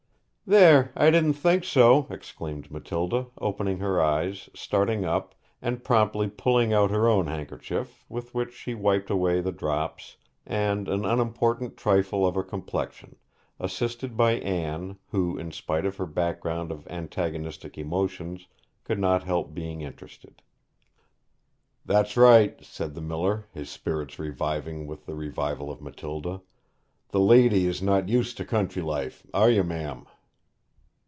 'There if I didn't think so!' exclaimed Matilda, opening her eyes, starting up, and promptly pulling out her own handkerchief, with which she wiped away the drops, and an unimportant trifle of her complexion, assisted by Anne, who, in spite of her background of antagonistic emotions, could not help being interested. 'That's right!' said the miller, his spirits reviving with the revival of Matilda. 'The lady is not used to country life; are you, ma'am?'